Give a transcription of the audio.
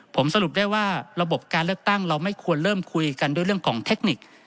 ผมสรุปได้ว่าระบบการเลือกตั้งเราไม่ควรเริ่มคุยกันด้วยเรื่องของเทคนิค